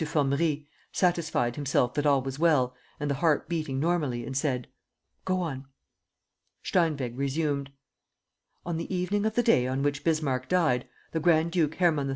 Formerie, satisfied himself that all was well and the heart beating normally, and said: "Go on." Steinweg resumed: "On the evening of the day on which Bismarck died, the Grand duke Hermann III.